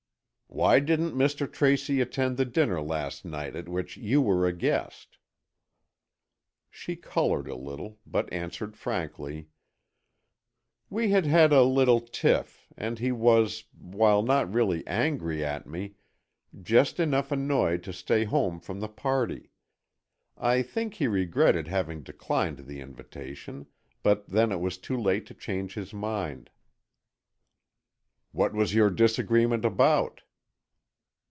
"Why didn't Mr. Tracy attend the dinner last night at which you were a guest?" She coloured a little, but answered frankly: "We had had a little tiff, and he was, while not really angry at me, just enough annoyed to stay home from the party. I think he regretted having declined the invitation, but then it was too late to change his mind." "What was your disagreement about?"